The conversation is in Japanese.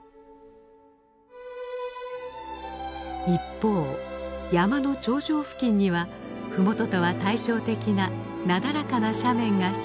一方山の頂上付近にはふもととは対照的ななだらかな斜面が広がります。